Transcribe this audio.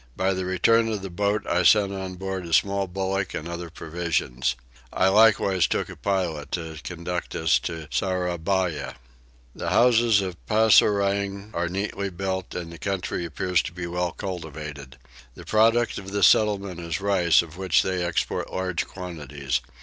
By the return of the boat I sent on board a small bullock and other provisions. I likewise took a pilot to conduct us to Sourabaya. The houses at Passourwang are neatly built and the country appears to be well cultivated. The produce of this settlement is rice, of which they export large quantities.